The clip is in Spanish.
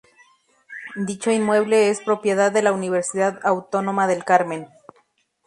Dicho inmueble es propiedad de la Universidad Autónoma del Carmen.